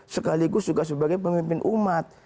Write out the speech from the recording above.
sekaligus juga sebagai pemimpin umat